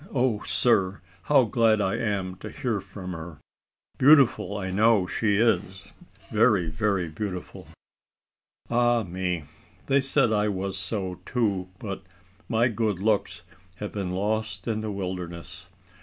O sir! how glad I am to hear from her! Beautiful I know she is very, very beautiful. Ah me! they said I was so too, but my good looks have been lost in the wilderness.